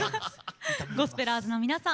ゴスペラーズの皆さん